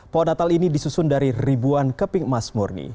pohon natal ini disusun dari ribuan keping emas murni